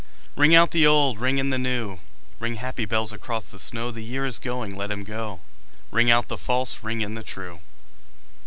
Ring out the old, ring in the new, Ring, happy bells, across the snow: The year is going, let him go; Ring out the false, ring in the true.